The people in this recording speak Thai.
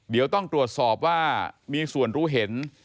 เดี๋ยวต้องตรวจสอบว่ามีส่วนรู้เห็น